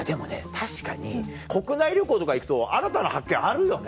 確かに国内旅行とか行くと新たな発見あるよね。